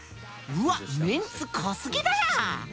うわっメンツ濃すぎだな！